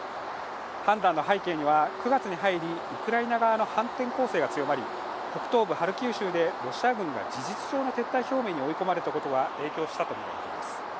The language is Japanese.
判断の背景には９月に入り、ウクライナ側の反転攻勢が強まり、北東部ハルキウ州でロシア軍が事実上の撤退表明に追い込まれたことが影響したとみられています。